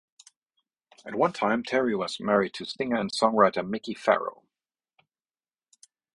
At one time Terry was married to singer and songwriter Mikki Farrow.